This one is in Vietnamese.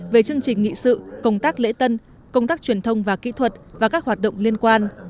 về chương trình nghị sự công tác lễ tân công tác truyền thông và kỹ thuật và các hoạt động liên quan